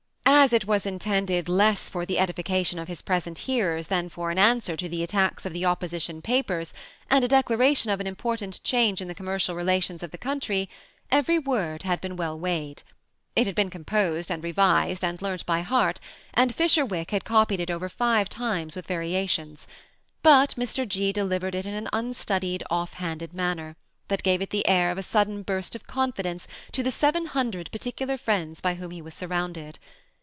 As it was intended less for the edification of his present hearers, than for an answer to the attacks of the opposition papers, and a declaration of an important change in the commercial relations of the country, every word had been well weighed. It had been composed and revised and learnt by heart, and Fisherwick had copied it over five times with variations ; but Mr. G. delivered it in an unstud ied, ofi^ hand manner, that gave it the air of a sudden burst of confidence to the seven hundred particular friends by whom he was surrounded.